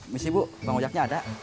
miss ibu bang ojeknya ada